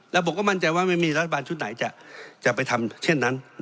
แล้วผมก็มั่นใจว่าไม่มีรัฐบาลชุดไหนจะไปทำเช่นนั้น